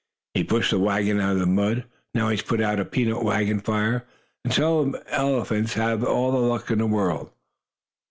"He pushed the wagon out of the mud, and now he has put out a peanut wagon fire. Some elephants have all the luck in this world."